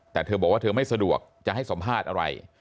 แต่เธอบอกว่าเธอไม่สะดวกจะให้สัมภาษณ์อะไร